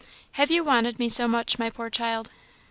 "Have you wanted me so much, my poor child?"